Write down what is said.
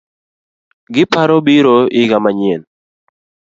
Giparo biro iga manyien